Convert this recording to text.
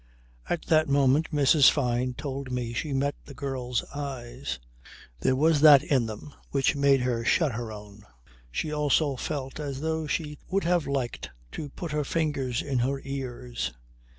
At that moment, Mrs. Fyne told me she met the girl's eyes. There was that in them which made her shut her own. She also felt as though she would have liked to put her fingers in her ears.